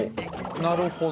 なるほど。